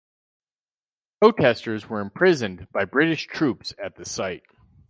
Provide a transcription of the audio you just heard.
Protesters were imprisoned by British troops at the site.